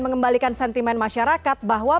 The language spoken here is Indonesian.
mengembalikan sentimen masyarakat bahwa